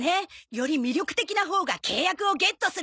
より魅力的なほうが契約をゲットする。